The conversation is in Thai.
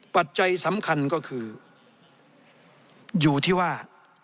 ปัจจัยสำคัญก็คืออยู่ที่ว่า